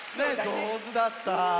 じょうずだった。